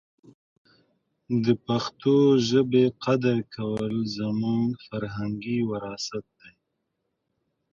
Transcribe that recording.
د پښتو ژبې قدر کول زموږ فرهنګي وراثت دی.